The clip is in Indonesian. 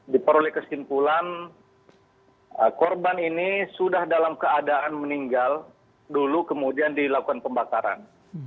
diperoleh kesimpulan korban ini sudah dalam keadaan meninggal dulu kemudian dilakukan pembakaran